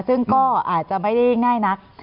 ซึ่งก็อาจจะไม่ได้ง่ายนัก